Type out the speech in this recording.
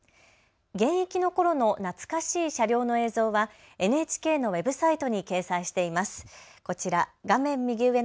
現役のころの懐かしい車両の映像はＮＨＫのウェブサイトに掲載しています。